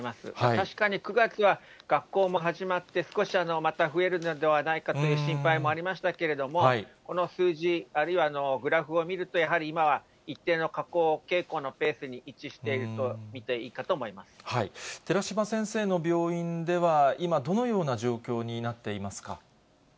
確かに９月は学校も始まって少しまた増えるのではないかという心配もありましたけれども、この数字、あるいはグラフを見ると、やはり今は一定の下降傾向のペースに位置していると見ていいかと寺嶋先生の病院では、今、どのような状況になっていますか。